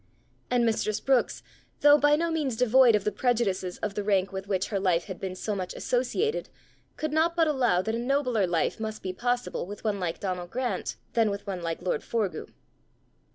And mistress Brookes, though by no means devoid of the prejudices of the rank with which her life had been so much associated, could not but allow that a nobler life must be possible with one like Donal Grant than with one like lord Forgue.